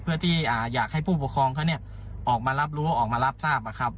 เพื่อที่อ่าอยากให้ผู้ปกครองเขาเนี่ยออกมารับรู้ออกมารับทราบอ่ะครับ